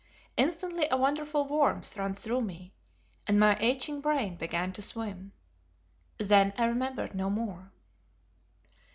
Instantly a wonderful warmth ran through me, and my aching brain began to swim. Then I remembered no more.